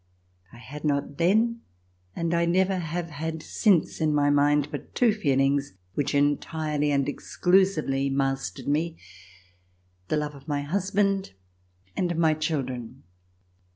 I had not then, and I never have had since in my mind but two feelings which entirely and exclusively mastered me: the love of my husband and of my children.